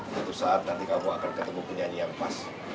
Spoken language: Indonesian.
tentu saat nanti kamu akan ketemu penyanyi yang pas